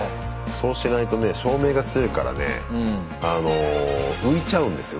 そうしないとね照明が強いからねあの浮いちゃうんですよ。